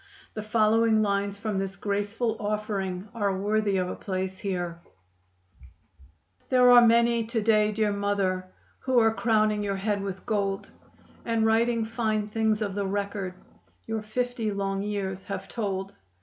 The following lines from this graceful offering are worthy of a place here: There are many to day, dear mother, Who are crowning your head with gold, And writing fine things of the record Your fifty long years have told.